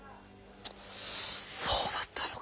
そうだったのか。